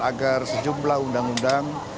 agar sejumlah undang undang